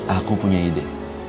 aku punya ide